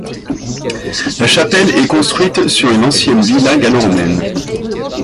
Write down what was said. La chapelle est construite sur une ancienne villa gallo-romaine.